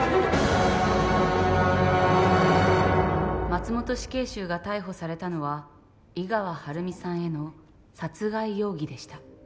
松本死刑囚が逮捕されたのは井川晴美さんへの殺害容疑でした。